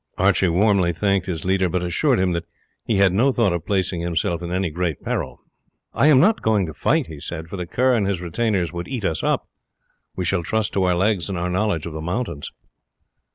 Archie warmly thanked his leader, but assured him that he had no thought of placing himself in any great peril. "I am not going to fight," he said, "for the Kerr and his retainers could eat us up; we shall trust to our legs and our knowledge of the mountains."